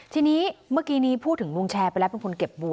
ทีนี้เมื่อกี้นี้พูดถึงลุงแชร์ไปแล้วเป็นคนเก็บบัว